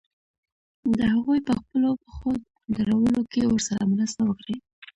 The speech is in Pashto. د هغوی په خپلو پښو درولو کې ورسره مرسته وکړي.